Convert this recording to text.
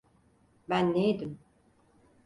Ben neydim?